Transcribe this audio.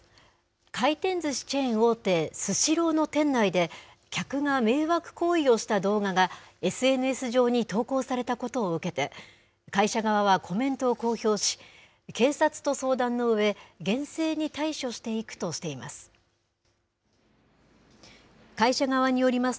回転ずしチェーン大手、スシローの店内で、客が迷惑行為をした動画が、ＳＮＳ上に投稿されたことを受けて、会社側はコメントを公表し、警察と相談のうえ、厳正に対処していくとしています。